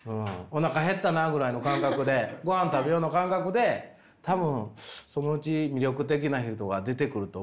おなか減ったなぐらいの感覚でごはん食べようの感覚で多分そのうち魅力的な人が出てくると思うんでね。